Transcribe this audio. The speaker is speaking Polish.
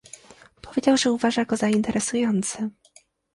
Powiedział, że uważa go za interesujący